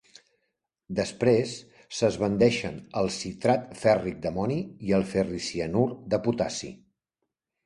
Després, s'esbandeixen el citrat fèrric d'amoni i el ferricianur de potassi.